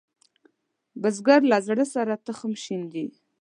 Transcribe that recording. بزګر له زړۀ سره تخم شیندي